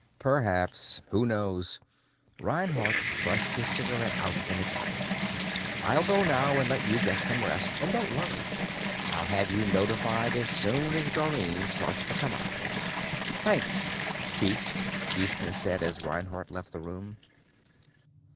"Perhaps. Who knows?" Reinhardt crushed his cigarette out in a tray. "I'll go now, and let you get some rest. And don't worry; I'll have you notified as soon as Dorrine starts to come out of it." "Thanks Chief," Houston said as Reinhardt left the room.